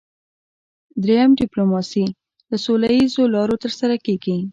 دریم ډیپلوماسي له سوله اییزو لارو ترسره کیږي